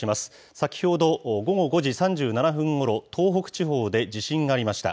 先ほど午後５時３７分ごろ、東北地方で地震がありました。